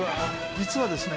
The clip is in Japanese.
実はですね。